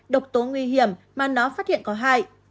độc tố nguy hiểm mà nó phát hiện có hại